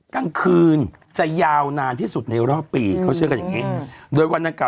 กลางคืนจะยาวนานที่สุดในรอบปีเขาเชื่อกันอย่างนี้โดยวันนั้นกล่า